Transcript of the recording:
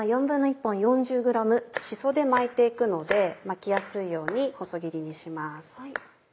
しそで巻いて行くので巻きやすいように細切りにします。